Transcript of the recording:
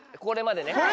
これまでね。